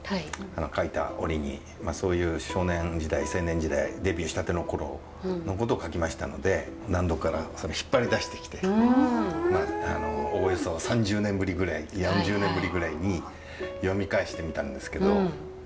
書いた折にそういう少年時代青年時代デビューしたての頃のことを書きましたので納戸からそれ引っ張り出してきておおよそ３０年ぶりぐらい４０年ぶりぐらいに読み返してみたんですけど。